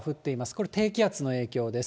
これ低気圧の影響です。